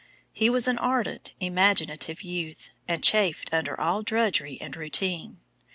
He was an ardent, imaginative youth, and chafed under all drudgery and routine.